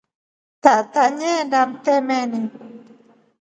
Tata nyaenda mtemani.